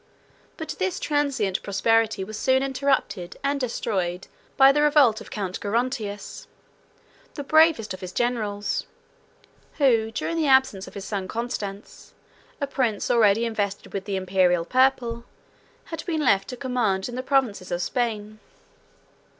But this transient prosperity was soon interrupted and destroyed by the revolt of Count Gerontius, the bravest of his generals; who, during the absence of his son Constans, a prince already invested with the Imperial purple, had been left to command in the provinces of Spain.